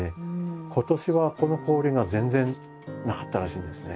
今年はこの氷が全然なかったらしいんですね。